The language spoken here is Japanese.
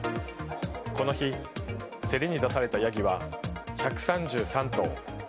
この日、競りに出されたヤギは１３３頭。